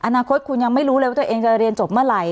อนาคตคุณยังไม่รู้เลยว่าตัวเองจะเรียนจบเมื่อไหร่